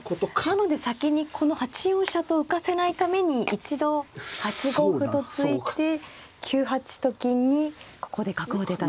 なので先にこの８四飛車と浮かせないために一度８五歩と突いて９八と金にここで角を出たと。